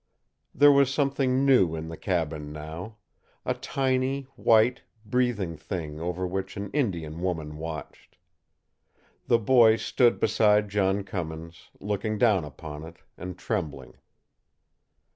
There was something new in the cabin now a tiny, white, breathing thing over which an Indian woman watched. The boy stood beside John Cummins, looking down upon it, and trembling.